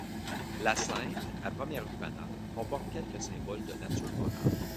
La scène, à première vue banale, comporte quelques symboles de nature morale.